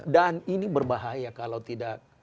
dan ini berbahaya kalau tidak